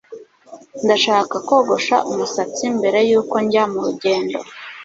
Ndashaka kogosha umusatsi mbere yuko njya murugendo